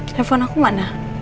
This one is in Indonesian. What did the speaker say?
telepon aku mana